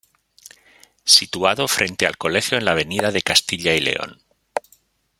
Situado frente al colegio en la avenida de Castilla y León.